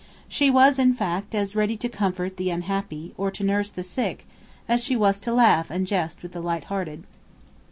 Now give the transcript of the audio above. She was, in fact, as ready to comfort the unhappy, or to nurse the sick, as she was to laugh and jest with the lighthearted.